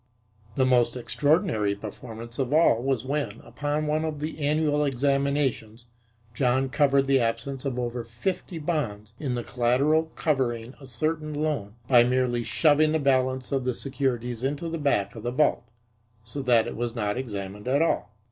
The most extraordinary performance of all was when, upon one of the annual examinations, John covered the absence of over fifty bonds in the collateral covering a certain loan by merely shoving the balance of the securities into the back of the vault, so that it was not examined at all.